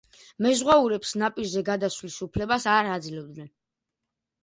მეზღვაურებს ნაპირზე გადასვლის უფლებას არ აძლევდნენ.